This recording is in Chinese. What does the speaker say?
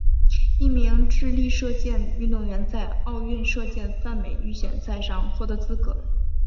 一名智利射箭运动员在奥运射箭泛美预选赛上获得资格。